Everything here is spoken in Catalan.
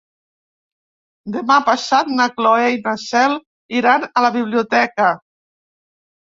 Demà passat na Cloè i na Cel iran a la biblioteca.